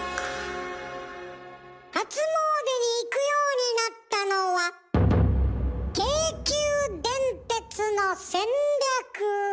初詣に行くようになったのは京急電鉄の戦略。